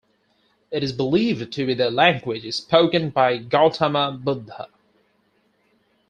It is believed to be the language spoken byGautama Buddha.